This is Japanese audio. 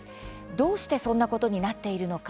どうしてそんなことになっているのか。